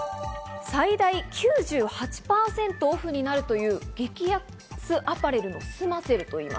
最大９８％オフになるという激安アパレルのスマセル。